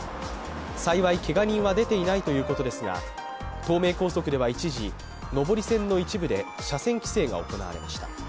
幸い、けが人は出ていないということですが東名高速では一時上り線の一部で車線規制が行われました。